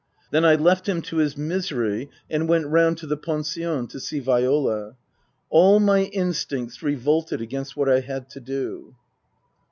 Then I left him to his misery and went round to the pension to see Viola. All my instincts revolted against what I had to do.